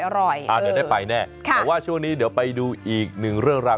เดี๋ยวได้ไปแน่แต่ว่าช่วงนี้เดี๋ยวไปดูอีกหนึ่งเรื่องราว